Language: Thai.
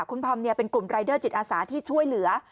คุณธอมเป็นกลุ่มรายเดอร์จิตอาสาที่ช่วยเหลือ